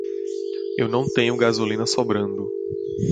Eu não tenho gasolina sobrando.